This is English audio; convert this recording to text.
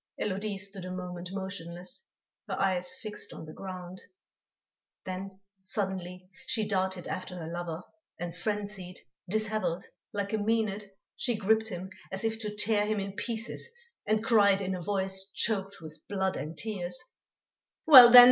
Élodie stood a moment motionless, her eyes fixed on the ground. Then, suddenly, she darted after her lover, and frenzied, dishevelled, like a Mænad, she gripped him as if to tear him in pieces and cried in a voice choked with blood and tears: "Well, then!